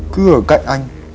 cứ ở cạnh anh